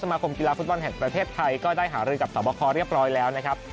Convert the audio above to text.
มาคมกีฬาฟุตบอลแห่งประเทศไทยก็ได้หารือกับสอบคอเรียบร้อยแล้วนะครับ